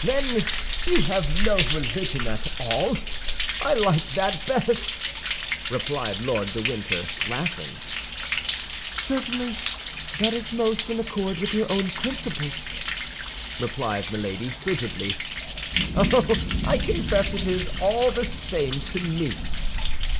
"Then you have no religion at all; I like that best," replied Lord de Winter, laughing. "Certainly that is most in accord with your own principles," replied Milady, frigidly. "Oh, I confess it is all the same to me."